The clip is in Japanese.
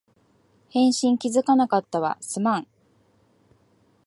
返信気づかなかったわ、すまん